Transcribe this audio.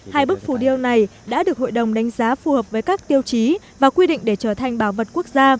hai bức phù điêu này đã được hội đồng đánh giá phù hợp với các tiêu chí và quy định để trở thành bảo vật quốc gia